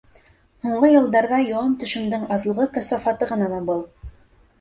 Һуңғы йылдарҙа яуым-төшөмдөң аҙлығы касафаты ғынамы был?